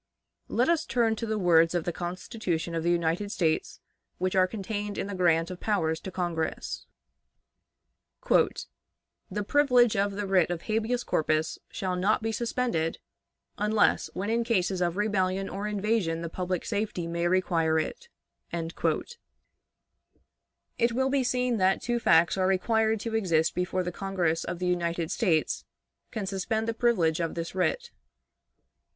Let us turn to the words of the Constitution of the United States which are contained in the grant of powers to Congress: "The privilege of the writ of habeas corpus shall not be suspended, unless when in cases of rebellion or invasion the public safety may require it." It will be seen that two facts are required to exist before the Congress of the United States can suspend the privilege of this writ.